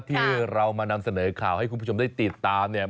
ที่เรามานำเสนอข่าวให้คุณผู้ชมได้ติดตามเนี่ย